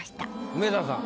梅沢さん